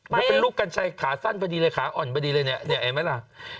มันเป็นลูกกัญชัยขาสั้นไปดีเลยขาอ่อนไปดีเลยเนี่ยไอ้แม่ล่ะ